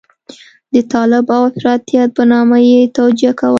د طالب او افراطيت په نامه یې توجیه کوله.